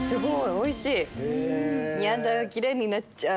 おいしい。